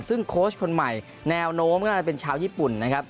ซึ่งโค้ชคนใหม่แนวโน้มก็น่าจะเป็นชาวญี่ปุ่นนะครับ